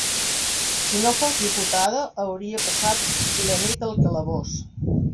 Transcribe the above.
Si no fos diputada hauria passat la nit al calabós!